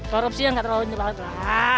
korupsi yang gak terlalu nyebal nyepal